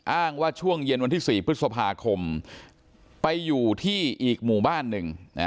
อ้างว่าช่วงเย็นวันที่๔พฤษภาคมไปอยู่ที่อีกหมู่บ้านหนึ่ง